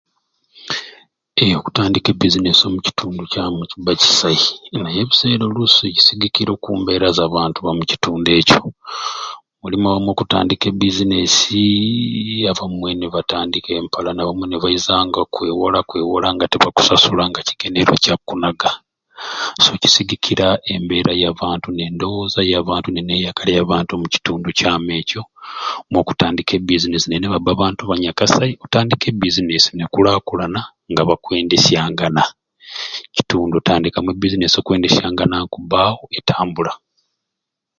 Ee okutandika e bizinesi omukitundu kyamu kibba kisai naye ebiseera oluusi kisigikira ku mbeera za bantu ba mukitundu okyo mulimu omwe okutandika ebbiizineesi abamwe ni batandika empalana abamwe nibaizanga kwewola kwewola nga tibakkusasula nga kigendeerwa Kya kkunaga so kisigikira mbeera ya bantu n'endowooza y'abantu mu kitundu kyamu ekyo ng'okutandika e bbiizineesi naye nibabba abantu abanyakasai otandika ebbiizineesi n'ekulaakukulana nga bakwendesyangana omukitundu otandikamu e bbiizineesi okwendesyangana nikkubbaawo etambula.